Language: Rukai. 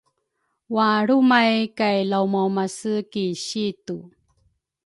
walrumay kay laumaumase ki situ.